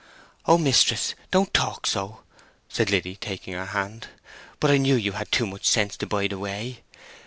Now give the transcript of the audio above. "Oh, mistress, don't talk so!" said Liddy, taking her hand; "but I knew you had too much sense to bide away.